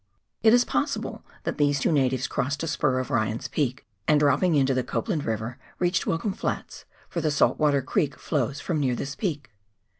It is possible that these two natives crossed a spur of Ryan's Peak, and dropping into the Copland Eiver, reached Welcome Flats, for the Saltwater Creek flows from near this peak.